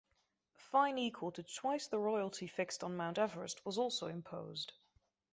A fine equal to twice the royalty fixed on Mount Everest was also imposed.